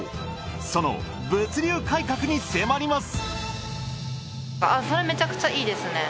その物流改革に迫ります。